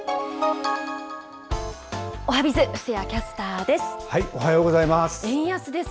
おはＢｉｚ、布施谷キャスターです。